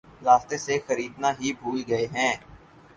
راستے سے خریدنا ہی بھول گئے ہیں